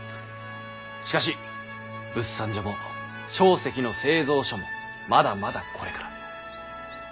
しかし物産所も硝石の製造所もまだまだこれから。